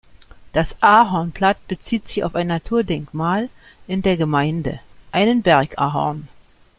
Das Ahornblatt bezieht sich auf ein Naturdenkmal in der Gemeinde, einen Berg-Ahorn.